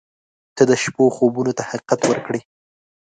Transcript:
• ته د شپو خوبونو ته حقیقت ورکړې.